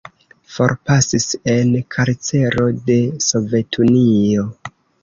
Forpasis en karcero de Sovetunio.